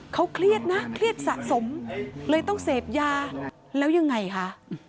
เขาเครียดนะเครียดสะสมเลยต้องเสพยาแล้วยังไงคะ